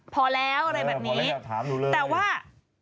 พอแล้วอะไรแบบนี้แต่ว่า